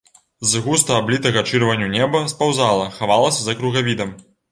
З густа аблітага чырванню неба спаўзала, хавалася за кругавідам.